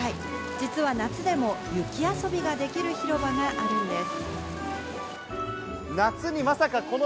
実は夏でも、雪遊びができる広場があるんです。